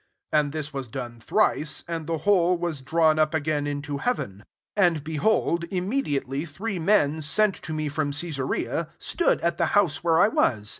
10 And this was done thrice : md the whole was drawn up igain into heaven. 11 "And, behold, immediate y three men, sent to me from I^esarea, stood at the house vhere I was.